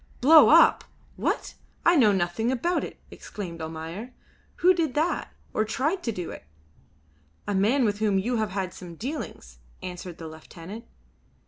"Blow up! What? I know nothing about it," exclaimed Almayer. "Who did that, or tried to do it?" "A man with whom you had some dealings," answered the lieutenant.